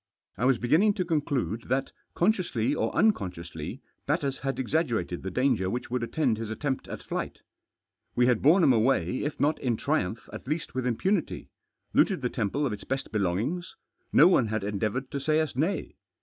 I Was beginning to conclude that, consciously or unconsciously, Batters had ex aggerated the dahgef* which would attend his atfeiftjat at flight. We had borne him away if not in triumph* at least With impunity ; looted the temple of its test belongings j no one had ertdeavouted to s&y Us hay.